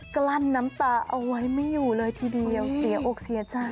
กลั้นน้ำตาเอาไว้ไม่อยู่เลยทีเดียวเสียอกเสียใจ